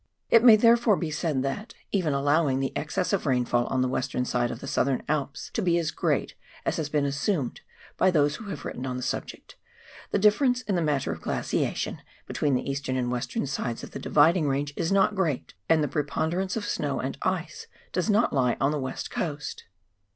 It may therefore be said that — even allowing the excess of rainfall on the ivestern side of the Southern Alps to be as great as has been assumed by those who have written on the subject — the diflference in the matter of glaciation between the eastern and the western sides of the Dividing Range is not great, and the preponderance of snow and ice does not lie on the "West Coast.